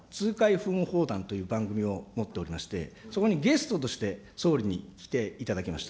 風雲放談という番組を持っておりまして、そこにゲストとして総理に来ていただきました。